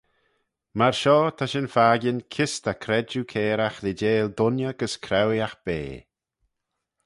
Myr shoh ta shin fakin kys ta credjue cairagh leeideil dooinney gys craueeaght bea.